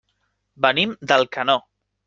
Venim d'Alcanó.